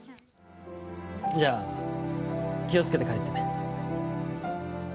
じゃあ気をつけて帰ってね。